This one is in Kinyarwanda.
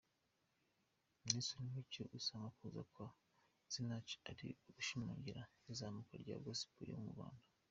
Nelson Mucyo asanga kuza kwa Sinach ari ugushimangira izamuka rya Gospel yo mu Rwanda.